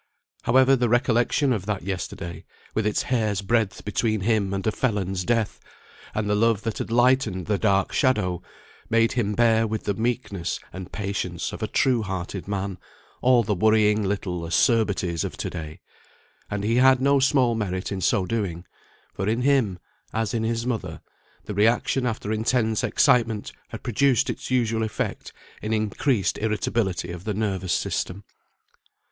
However, the recollection of that yesterday, with its hair's breadth between him and a felon's death, and the love that had lightened the dark shadow, made him bear with the meekness and patience of a true hearted man all the worrying little acerbities of to day; and he had no small merit in so doing; for in him, as in his mother, the re action after intense excitement had produced its usual effect in increased irritability of the nervous system.